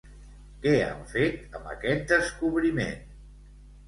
Què han fet amb aquest descobriment?